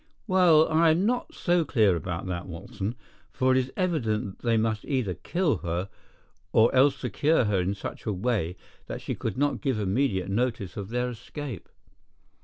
"Well, I am not so clear about that, Watson, for it is evident that they must either kill her or else secure her in such a way that she could not give immediate notice of their escape.